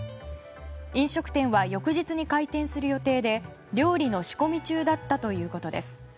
飲食店は翌日に開店する予定で料理の仕込み中だったということです。